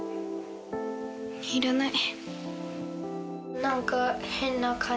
いらない。